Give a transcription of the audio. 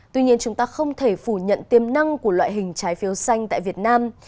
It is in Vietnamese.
tuy nhiên chúng ta không thể phủ nhận tiềm năng của loại hình trái phiếu xanh tại việt nam